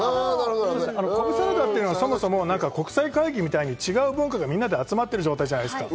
コブサラダっていうのは、そもそも国際会議みたいに違う文化が集まってる状態じゃないですか。